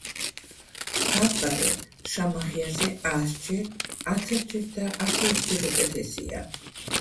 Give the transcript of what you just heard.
ბარბარე შამახიაზე ასჯერ, ათასჯერ და ათიათასჯერ უკეთესია